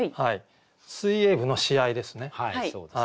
水泳部の試合ですね。